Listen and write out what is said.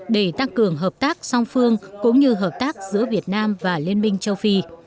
để tăng cường hợp tác song phương cũng như hợp tác giữa việt nam và liên minh châu phi